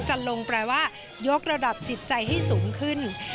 จะลงแปลว่ายกระดับจิตใจให้สูงขึ้น